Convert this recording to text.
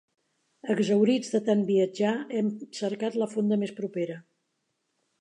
Exhaurits de tant viatjar, hem cercat la fonda més propera.